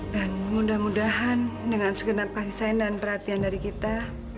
dan mudah mudahan dengan segenap kasih sayang dan perhatian dari kita